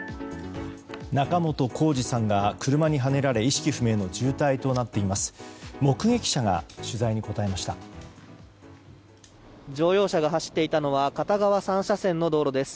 仲本工事さんが車にはねられ意識不明の重体となっています。